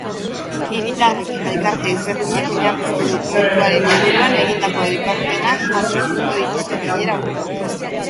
Hiritarrek eta elkarte ezberdinek oinarrizko dokumentuaren inguruan egindako ekarpenak aztertuko dituzte bilera horretan.